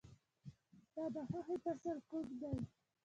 ستا د خوښې فصل کوم دی؟